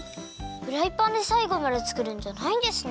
フライパンでさいごまでつくるんじゃないんですね！